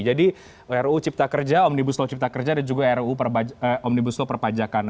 ruu cipta kerja omnibus law cipta kerja dan juga ruu omnibus law perpajakan